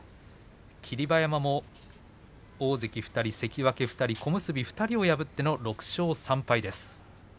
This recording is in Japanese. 霧馬山も大関２人、関脇２人小結２人を破っての６勝３敗です。